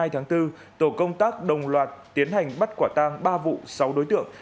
một mươi hai tháng bốn tổ công tác đồng loạt tiến hành bắt quả tăng ba vụ sáu đối tượng